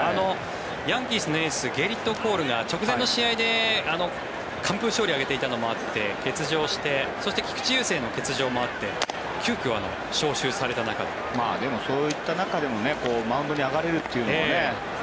ヤンキースのエースゲリット・コールが直前の試合で完封勝利を挙げていたのもあって欠場してそして菊池雄星の欠場もあってそういった中でもマウンドに上がれるというのはね。